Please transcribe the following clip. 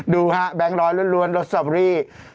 ดูฮะแบงค์ร้อยล้วนรสตอเบอรี่